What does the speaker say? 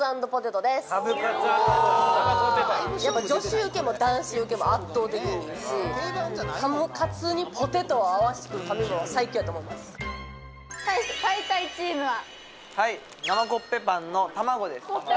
やっぱ女子ウケも男子ウケも圧倒的にいいしハムカツにポテトを合わせてくるファミマは最強やと思います対してたいたいチームははい生コッペパンのたまごです